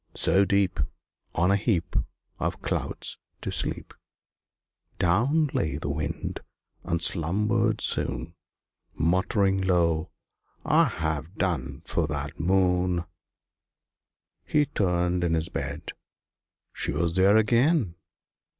So deep, On a heap Of clouds, to sleep, Down lay the Wind, and slumbered soon Muttering low, "I've done for that Moon." He turned in his bed; she was there again!